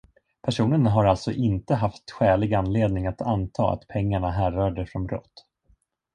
Personen har alltså inte haft skälig anledning att anta att pengarna härrörde från brott.